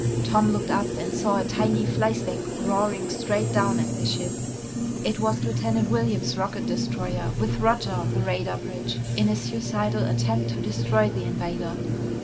Tom looked up and saw a tiny flyspeck roaring straight down at the ship. It was Lieutenant Williams' rocket destroyer, with Roger on the radar bridge, in a suicidal attempt to destroy the invader.